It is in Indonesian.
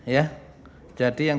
ya jadi yang